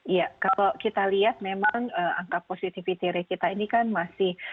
iya kalau kita lihat memang angka positivity rate kita ini kan masih